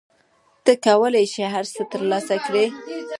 ته کولای شې هر څه ترلاسه کړې.